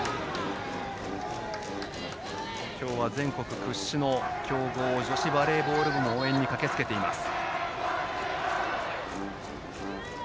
今日は全国屈指の強豪女子バレーボール部も応援に駆けつけています。